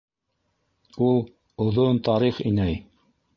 Ул - оҙон тарих, инәй.